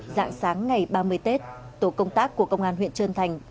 giảng sáng ngày ba mươi tết tổ công tác của công an huyện trân thành